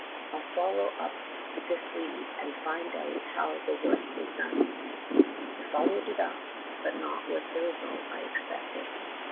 I 'll follow up this lead and find out how the work is done.' "I followed it up, but not with the result I expected.